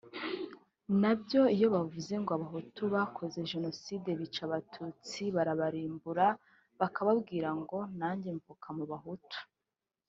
Nabyo iyo bavuze ngo abahutu bakoze Jenoside bica abatutsi barabarimbura(…) bakambwira ngo nanjye mvuka mu bahutu